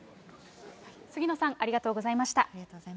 杉野さん、ありがとうございました。